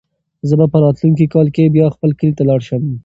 زه به په راتلونکي کال کې بیا خپل کلي ته لاړ شم.